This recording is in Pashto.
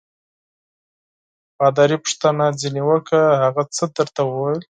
پادري پوښتنه ځینې وکړه: هغه څه درته ویل؟